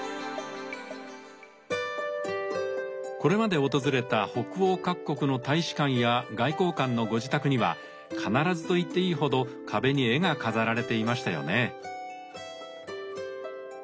これまで訪れた北欧各国の大使館や外交官のご自宅には必ずといっていいほど壁に絵が飾られていましたよね。